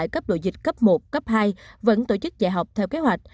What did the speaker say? cấp độ dịch cấp một cấp hai vẫn tổ chức dạy học theo kế hoạch